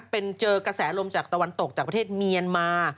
เป็นเจอกระแสลมจากตะวันตกจากประเทศเมียนมา